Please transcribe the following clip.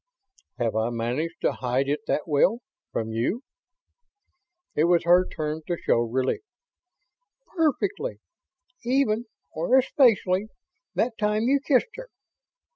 "Have I managed to hide it that well? From you?" It was her turn to show relief. "Perfectly. Even or especially that time you kissed her.